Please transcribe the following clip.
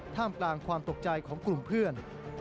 ท่ามกลางความตกใจของกลุ่มเพื่อน